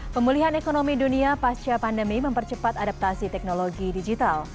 pemulihan ekonomi dunia pasca pandemi mempercepat adaptasi teknologi digital